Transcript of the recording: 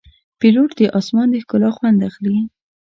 پیلوټ د آسمان د ښکلا خوند اخلي.